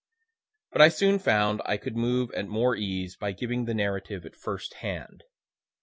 But I soon found I could move at more ease, by giving the narrative at first hand.